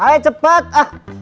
kamu ini kayak apa sih pak